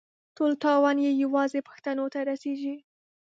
ټول تاوان یې یوازې پښتنو ته رسېږي.